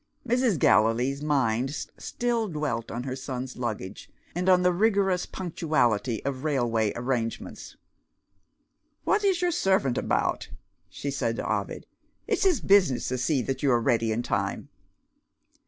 Mrs. Gallilee's mind still dwelt on her son's luggage, and on the rigorous punctuality of railway arrangements. "What is your servant about?" she said to Ovid. "It's his business to see that you are ready in time."